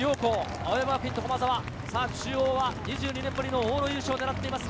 青山学院と駒澤、中央は２２年ぶりの往路優勝をねらっています。